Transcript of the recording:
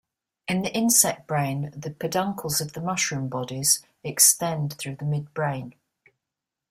In the insect brain, the peduncles of the mushroom bodies extend through the midbrain.